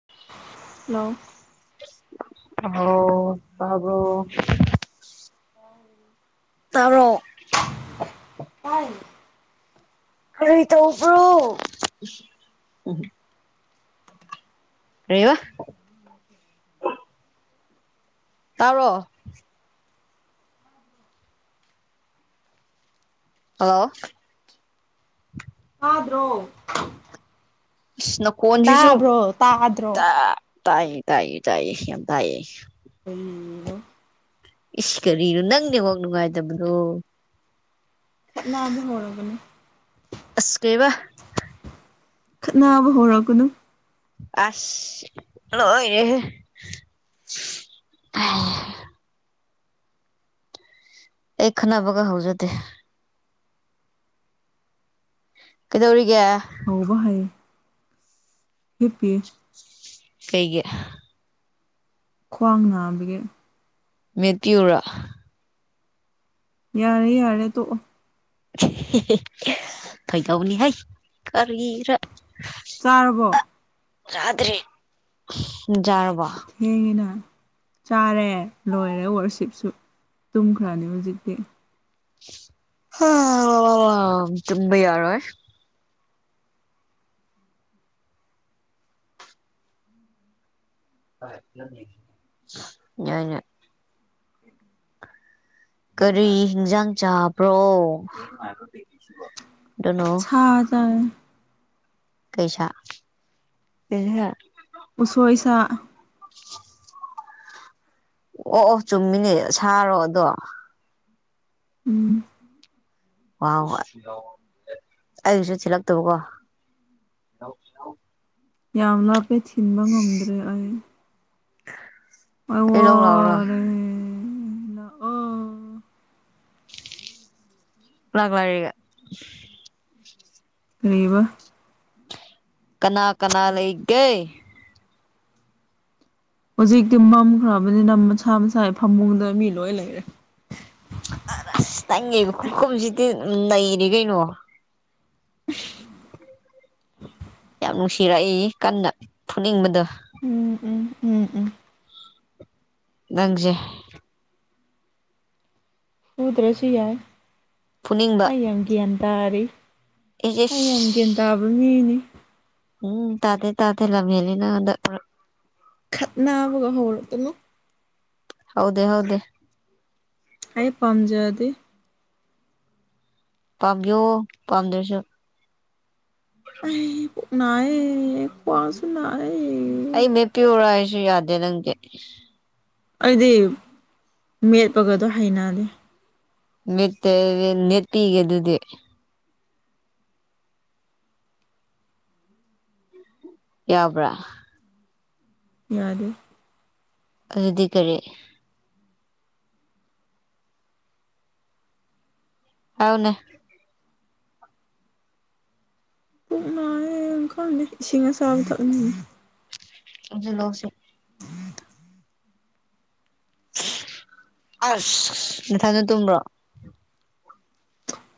[inaudible] hello hello ꯇꯥꯕ꯭ꯔꯣ ꯇꯔꯣꯛ ꯇꯥꯢ ꯀꯔꯤ ꯇꯧꯕ꯭ꯔꯣ ꯀꯩꯑꯦꯕ꯭ꯔꯥ ꯇꯥꯕ꯭ꯔꯣ ꯍꯂꯣ ꯇꯥꯗ꯭ꯔꯣ ꯑꯥꯅꯈꯣꯟꯁꯤꯁꯨ ꯇꯥꯕ꯭ꯔꯣ ꯇꯥꯗ꯭ꯔꯣ ꯇ ꯇꯥꯏꯌꯦ ꯇꯥꯏꯌꯦ ꯇꯥꯏꯌꯦ ꯌꯥꯝ ꯇꯥꯏꯌꯦ ꯎꯝ ꯏꯁ ꯀꯔꯤ ꯅꯪ ꯅꯦꯠꯋꯥꯛ ꯅꯨꯡꯉꯥꯏꯇꯗꯕꯣ ꯅꯥꯕꯨ ꯍꯔꯒꯅ [inaudible] ꯑꯁ ꯀꯩꯕ꯭ꯔꯥ ꯈꯠꯅꯕ ꯍꯧꯔꯛꯀꯅꯨ ꯑꯁ ꯂꯣꯢꯔꯦꯍꯦ ꯑꯩ ꯈꯠꯅꯕꯒ ꯍꯧꯖꯗꯦ ꯀꯩꯗꯧꯔꯤꯒꯦ ꯍꯥꯎꯕ ꯍꯥꯏ ꯍꯤꯞꯄꯤ ꯀꯩꯒꯤ ꯈ꯭ꯋꯥꯡ ꯅꯥꯕꯒꯤ ꯃꯦꯠꯄꯤꯌꯨꯔ ꯌꯥꯔꯦ ꯌꯥꯔꯦ ꯇꯣꯛꯑꯣ ꯊꯣꯏꯒꯅꯤꯍꯥꯏ ꯀꯔꯤꯔ [inaudible] ꯆꯥꯔꯕ꯭ꯔꯣ ꯆꯥꯗ꯭ꯔꯤ ꯅꯪ ꯆꯥꯔꯕ꯭ꯔꯣ ꯊꯦꯡꯉꯦꯅ ꯆꯥꯔꯦ ꯂꯣꯏꯔꯦ ꯋꯥꯔꯁꯤꯞꯁꯨ ꯇꯨꯝꯈ꯭ꯔꯅꯤ ꯍꯧꯖꯤꯛꯇꯤ ꯍꯥ ꯇꯨꯝꯕ ꯌꯥꯔꯣꯢ ꯌꯥꯢꯅꯦ ꯀꯔꯤ ꯍꯤꯟꯖꯥꯡ ꯆꯥꯕ꯭ꯔꯣ ꯗꯣꯅꯣ ꯁꯥ ꯆꯥꯌꯦ ꯀꯩꯁꯥ ꯀꯩꯁꯥ ꯎꯁꯣꯏ ꯁꯥ ꯑꯣ ꯑꯣ ꯆꯨꯝꯃꯤꯅꯦ ꯁꯥꯔꯣ ꯑꯗꯣ ꯎꯝ ꯑꯩꯁꯨ ꯊꯜꯂꯛꯇꯧꯕꯀꯣ ꯌꯥꯎ ꯌꯥꯎ ꯌꯥꯝ ꯂꯥꯞꯄꯦ ꯊꯤꯟꯕ ꯉꯝꯗ꯭ꯔꯦ ꯑꯩ ꯑꯩ ꯂꯧ ꯂꯥꯛꯎꯔꯣ ꯂꯥꯛꯑꯣ ꯂꯒꯂꯔꯒ [inaudible] ꯀꯩꯔꯤꯕ ꯀꯅꯥ ꯀꯅꯥ ꯂꯩꯒꯦ ꯍꯧꯖꯤꯛꯇꯤ ꯃꯝꯈ꯭ꯔꯕꯅꯤꯅ ꯃꯁꯥ ꯃꯁꯥ ꯐꯃꯨꯡꯗ ꯃꯤ ꯂꯣꯏ ꯂꯩꯔꯦ ꯑꯁ ꯅꯪꯒꯤ ꯈꯨꯈꯨꯝꯁꯤꯗꯤ ꯅꯩꯔꯦ ꯀꯩꯅꯣ ꯌꯥꯝ ꯅꯨꯡꯁꯤꯔꯛꯏ ꯀꯟꯅ ꯐꯨꯅꯤꯡꯕꯗꯣ ꯎꯝ ꯎꯝ ꯎꯝ ꯎꯝ ꯅꯪꯁꯦ ꯐꯨꯗ꯭ꯔꯁꯨ ꯌꯥꯏ ꯐꯨꯅꯤꯡꯕ ꯑꯩ ꯌꯥꯝ ꯒ꯭ꯌꯥꯟ ꯇꯥꯔꯤ ꯏꯁ ꯏꯁ ꯑꯩ ꯌꯥꯝ ꯒ꯭ꯌꯥꯟ ꯇꯥꯕ ꯃꯤꯅꯤ ꯎꯝ ꯇꯥꯗꯦ ꯇꯥꯗꯦ ꯂꯝ ꯍꯦꯜꯂꯤ ꯅꯪ ꯍꯟꯗꯛ ꯃꯔꯛ ꯈꯠꯅꯕꯒ ꯍꯧꯔꯛꯀꯅꯨ ꯍꯧꯗꯦ ꯍꯧꯗꯦ ꯑꯩ ꯄꯥꯝꯖꯗꯦ ꯄꯥꯝꯕꯤꯌꯣ ꯄꯥꯝꯗ꯭ꯔꯁꯨ ꯑꯩ ꯄꯨꯛ ꯅꯥꯏꯌꯦ ꯈ꯭ꯋꯥꯎꯁꯨ ꯅꯥꯏꯌꯦ ꯃꯦꯠꯄꯤꯌꯣꯔ ꯍꯥꯏꯁꯨ ꯌꯥꯗꯦ ꯅꯪꯗꯤ ꯑꯩꯗꯤ ꯃꯦꯠꯄꯒꯗꯣ ꯍꯩꯅꯗꯦ ꯃꯦꯠꯇꯗꯤ ꯅꯦꯄꯤꯒꯦ ꯑꯗꯨꯗꯤ ꯌꯥꯕ꯭ꯔꯥ ꯌꯥꯗꯦ ꯑꯗꯨꯗꯤ ꯀꯔꯤ ꯑꯎꯅꯦ ꯄꯨꯛ ꯅꯥꯏꯑꯦ ꯈꯪꯗꯦ ꯏꯁꯤꯡ ꯑꯁꯥꯕ ꯊꯛꯅꯤꯡꯉꯦ ꯑꯗꯨ ꯂꯧꯁꯤ ꯑꯁ ꯅꯊꯟꯇ ꯇꯨꯝꯕ꯭ꯔꯣ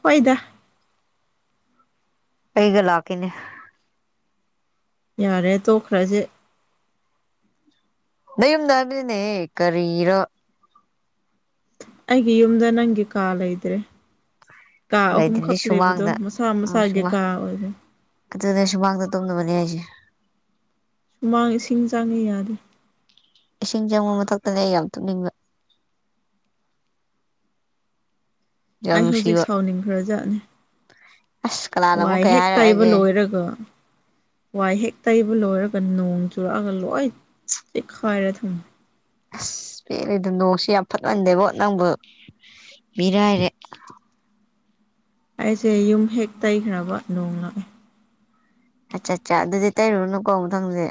ꯍꯣꯏꯗ ꯑꯩꯒ ꯂꯥꯛꯀꯦꯅꯦ ꯌꯥꯔꯦ ꯇꯣꯛꯈ꯭ꯔꯁꯦ ꯅ ꯌꯨꯝꯗ ꯍꯥꯏꯕꯅꯤꯅꯦ ꯀꯔꯤꯔꯣ ꯑꯩꯒꯤ ꯌꯨꯝꯗ ꯅꯪꯒꯤ ꯀꯥ ꯂꯩꯇ꯭ꯔꯦ ꯀꯥ ꯂꯩꯇ꯭ꯔꯗꯤ ꯑꯍꯨꯝꯈꯛ ꯂꯩꯕꯗꯣ ꯁꯨꯃꯥꯡꯗ ꯃꯁꯥ ꯃꯁꯥꯒꯤ ꯀꯥ ꯑꯣꯏꯔꯦ ꯑꯗꯨꯗ ꯑꯩ ꯁꯨꯃꯥꯡꯗ ꯇꯨꯝꯅꯕꯅꯦ ꯍꯥꯏꯁꯦ ꯁꯨꯃꯥꯡ ꯏꯁꯤꯡ ꯆꯥꯡꯉꯤ ꯌꯥꯗꯦ ꯏꯁꯤꯡ ꯆꯪꯕ ꯃꯊꯛꯇꯗꯤ ꯑꯩ ꯌꯥꯝ ꯇꯨꯝꯅꯤꯡꯕ ꯌꯥꯝ ꯑꯩ ꯍꯧꯖꯤꯛ ꯅꯨꯡꯁꯤꯕ ꯁꯥꯎꯅꯤꯡꯈ꯭ꯔꯖꯥꯠꯅꯤ ꯑꯁ ꯀꯅꯥꯅ ꯋꯥꯏ ꯑꯃꯨꯛ ꯀꯩ ꯍꯦꯛ ꯇꯩꯕ ꯍꯥꯏꯔꯛꯑꯒꯦ ꯂꯣꯏꯔꯒ ꯋꯥꯏ ꯍꯦꯛ ꯇꯩꯕ ꯂꯣꯏꯔꯒ ꯅꯣꯡ ꯆꯨꯔꯛꯑꯒ ꯂꯣꯏ ꯆꯦꯛꯈꯥꯏꯔ ꯊꯝꯃꯤ ꯑꯁ ꯄꯦꯜꯂꯦꯗ ꯅꯣꯡꯁꯦ ꯌꯥꯝ ꯐꯠꯃꯟꯗꯦꯕꯣ ꯅꯪꯕꯨ ꯃꯤꯔꯥꯏꯔꯦ ꯑꯩꯁꯦ ꯌꯨꯝ ꯍꯦꯛ ꯇꯩꯈ꯭ꯔꯕ ꯅꯣꯡꯅ ꯑꯠꯆꯥ ꯑꯠꯆꯥ ꯑꯗꯨꯗꯤ ꯇꯩꯔꯨꯔꯅꯨꯀꯣ ꯃꯊꯪꯗꯤ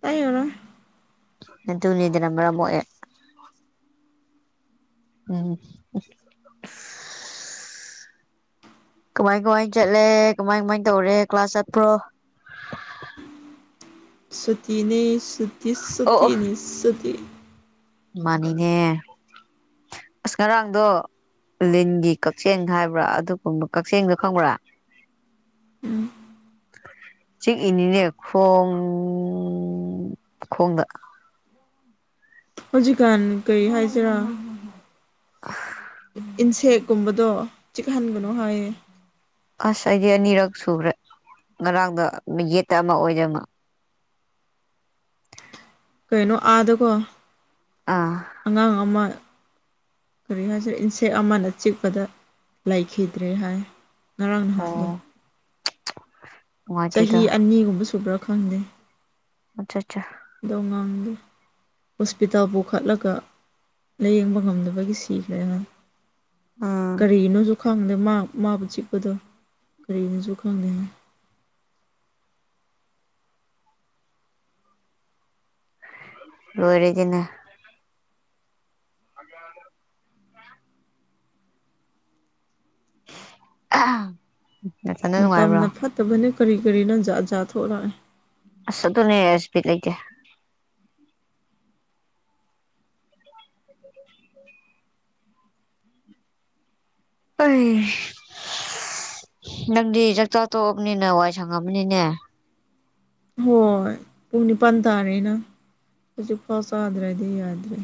ꯇꯩꯔꯔꯣꯏ ꯑꯗꯨꯅꯤꯗꯅ ꯃꯔꯝ ꯃꯣꯛꯑꯦ ꯎꯝ ꯀꯃꯥꯏ ꯀꯃꯥꯏ ꯆꯠꯂꯦ ꯀꯃꯥꯏ ꯀꯃꯥꯏ ꯇꯧꯔꯦ ꯀ꯭ꯂꯥꯁ ꯆꯠꯄ꯭ꯔꯣ ꯁꯨꯇꯤꯅꯦ ꯁꯨꯇꯤꯁ ꯑꯣ ꯑꯣ ꯁꯨꯇꯤꯅꯦ ꯁꯨꯇꯤ ꯃꯥꯅꯤꯅꯦ ꯑꯁ ꯉꯔꯥꯡꯗꯣ ꯂꯤꯟꯒꯤ ꯀꯛꯆꯦꯡ ꯍꯥꯏꯕ꯭ꯔꯥ ꯑꯗꯨꯒꯨꯝꯕ ꯀꯛꯆꯦꯡꯗꯣ ꯈꯪꯕ꯭ꯔꯥ ꯎꯝ ꯆꯤꯛꯏꯅꯤꯅꯦ ꯈꯣꯡ ꯈꯣꯡꯗ ꯍꯧꯖꯤꯛꯀꯥꯟ ꯀꯔꯤ ꯍꯥꯏꯁꯤꯔꯥ [unintelligible] ꯏꯟꯁꯦꯛ ꯀꯨꯝꯕꯗꯣ ꯆꯤꯛꯍꯟꯒꯅꯨ ꯍꯥꯏꯌꯦ ꯑꯁ ꯑꯩꯗꯤ ꯑꯅꯤꯔꯛ ꯁꯨꯈ꯭ꯔꯦ ꯉꯔꯥꯡꯗ ꯌꯦꯠꯇ ꯑꯃ ꯑꯣꯏꯗ ꯑꯃ ꯀꯩꯅꯣ ꯑꯥꯗꯀꯣ ꯑꯥ ꯑꯉꯥꯡ ꯑꯃ ꯀꯔꯤ ꯍꯥꯏꯁꯤꯔ ꯏꯟꯁꯦꯛ ꯑꯃꯅ ꯆꯤꯛꯄꯗ ꯂꯩꯈꯤꯗ꯭ꯔꯦ ꯍꯥꯏ ꯉꯔꯥꯡ ꯅꯍꯥꯟꯒꯤ ꯑꯣ [unintelligible] ꯆꯍꯤ ꯑꯅꯤꯒꯨꯝꯕ ꯁꯨꯕ꯭ꯔꯥ ꯈꯪꯗꯦ ꯑꯆꯥ ꯆꯥ ꯗꯣꯡꯉꯥꯡꯒꯦ [inaudible] ꯍꯣꯁꯄꯤꯇꯥꯜ ꯄꯨꯈꯠꯂꯒ ꯂꯥꯏꯌꯦꯡꯕ ꯉꯝꯗꯕꯒꯤ ꯁꯤꯈ꯭ꯔꯦꯅ ꯎꯝ ꯀꯔꯤꯅꯣꯁꯨ ꯈꯪꯗꯦ ꯃꯥ ꯃꯥꯕꯨ ꯆꯤꯛꯄꯗꯣ ꯀꯔꯤꯅꯣꯁꯨ ꯈꯪꯗꯦꯅ ꯂꯣꯏꯔꯦꯗꯤꯅ [unintelligible] ꯅꯊꯟꯗ ꯅꯨꯡꯉꯥꯏꯕ꯭ꯔꯣ ꯃꯇꯝꯅ ꯐꯠꯇꯕꯅꯦ ꯀꯔꯤ ꯀꯔꯤꯅꯣ ꯖꯥꯠ ꯖꯥꯠ ꯊꯣꯔꯛꯑꯦ ꯑꯁ ꯑꯗꯨꯅꯦ ꯑꯁ ꯕꯤꯠ ꯂꯩꯇꯦ ꯑꯩ ꯅꯪꯗꯤ ꯆꯥꯛ ꯆꯥ ꯇꯣꯛꯑꯕꯅꯤꯅ ꯋꯥꯏ ꯁꯪꯉꯝꯃꯅꯤꯅꯦ ꯍꯣꯏ ꯄꯨꯡ ꯅꯤꯄꯥꯟ ꯇꯥꯔꯦ ꯅꯪ ꯍꯧꯖꯤꯛ ꯐꯥꯎ ꯆꯥꯗ꯭ꯔꯗꯤ ꯌꯥꯗ꯭ꯔꯦ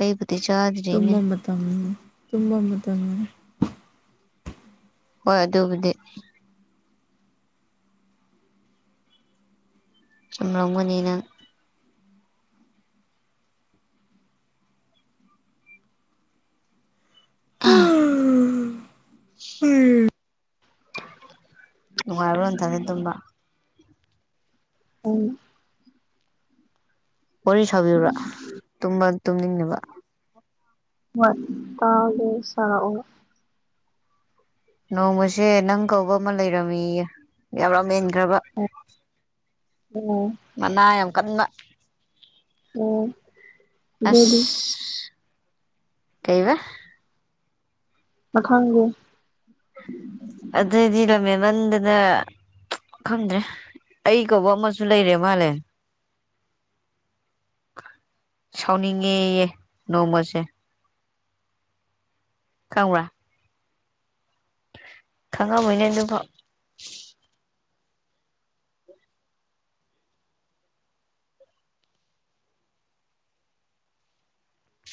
ꯑꯩꯕꯨꯗꯤ ꯆꯥꯗ꯭ꯔꯤꯅꯦ ꯇꯝ ꯇꯨꯝꯕ ꯃꯇꯝ ꯑꯣꯏꯔꯦ ꯍꯣꯏ ꯑꯗꯨꯕꯨꯗꯤ ꯆꯨꯝꯂꯝꯒꯅꯤ ꯅꯪ ꯑꯥ ꯅꯨꯡꯉꯥꯏꯕ꯭ꯔꯣ ꯅꯊꯟꯗ ꯇꯨꯝꯕ ꯎꯝ ꯋꯥꯔꯤ ꯁꯥꯕꯤꯌꯨꯔꯥ ꯇꯨꯝꯕ ꯇꯨꯝꯅꯤꯡꯅꯕ ꯍꯣꯏ ꯇꯥꯒꯦ ꯁꯥꯔꯛꯑꯣ ꯅꯣꯡꯃꯁꯦ ꯅꯪ ꯀꯧꯕ ꯑꯃ ꯂꯩꯔꯝꯃꯤꯌꯦ ꯌꯥꯝꯔꯝ ꯍꯦꯟꯈ꯭ꯔꯕ ꯎꯝ ꯃꯅꯥ ꯌꯥꯝ ꯀꯟꯕ ꯎꯝ ꯑꯁ ꯀꯩꯕ ꯃꯈꯪꯗꯤ ꯑꯗꯨꯏꯗꯤ ꯂꯝ ꯍꯦꯟꯃꯟꯗꯅ ꯈꯪꯗ꯭ꯔꯦ ꯑꯩ ꯀꯧꯕ ꯑꯃꯁꯨ ꯂꯩꯔꯦ ꯃꯥꯜꯂꯦ ꯁꯥꯎꯅꯤꯡꯉꯦꯌꯦ ꯅꯣꯡꯃꯁꯦ ꯈꯪꯕ꯭ꯔꯥ ꯈꯪꯉꯝꯃꯣꯏꯅꯦ ꯑꯗꯨꯐꯥꯎ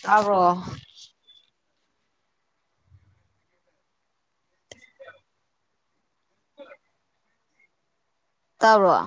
ꯇꯥꯕ꯭ꯔꯣ ꯇꯥꯕ꯭ꯔꯣ